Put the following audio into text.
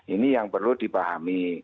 ini yang perlu dipahami